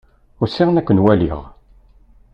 Usiɣ-n ad ken-waliɣ.